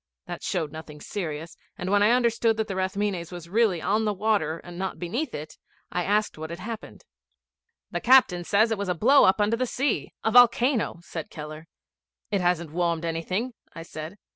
That showed nothing serious, and when I understood that the Rathmines was really on the water, and not beneath it, I asked what had happened. 'The captain says it was a blow up under the sea a volcano,' said Keller. 'It hasn't warmed anything,' I said.